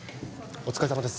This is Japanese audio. お疲れさまです